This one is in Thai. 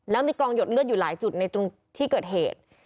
แล้วมีกองหยดเลือดอยู่หลายจุดในตรงที่เกิดเหตุ